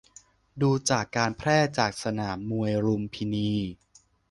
ดูจากการแพร่จากสนามมวยลุมพินี